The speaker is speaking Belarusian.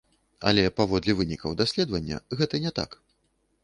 Але паводле вынікаў даследавання, гэта не так.